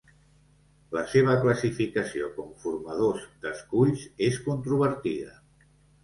La seva classificació com formadors d'esculls és controvertida.